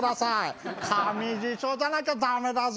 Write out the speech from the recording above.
紙辞書じゃなきゃ駄目だぞ。